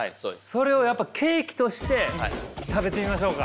それをケーキとして食べてみましょうか。